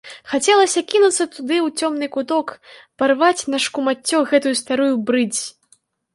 Хацелася кінуцца туды, у цёмны куток, парваць на шкумаццё гэтую старую брыдзь.